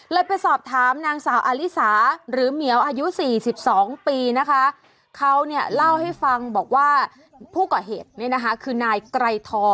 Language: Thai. เลยไปสอบถามนางสาวอลิสาหรือเมียวอายุ๔๒ปีนะคะ